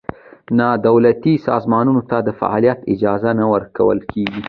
نا دولتي سازمانونو ته د فعالیت اجازه نه ورکول کېږي.